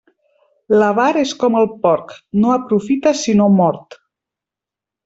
L'avar és com el porc, no aprofita sinó mort.